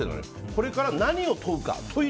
これから何を問うか。